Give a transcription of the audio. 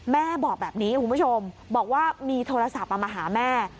แม่บอกแบบนี้คุณผู้ชมบอกว่ามีโทรศัพท์มาหาแม่